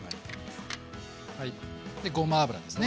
でごま油ですね。